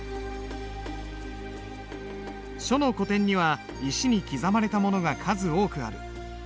書の古典には石に刻まれたものが数多くある。